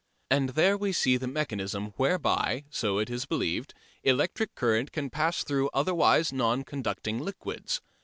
And there we see the mechanism whereby, so it is believed, electric current can pass through otherwise non conducting liquids.